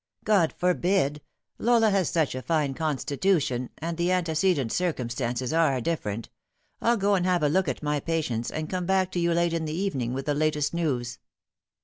" God forbid ! Lola has such a fine constitution and the ante cedent circumstances are different. I'll go and have a look at my patients, and come baok to you late in the evening with the last news."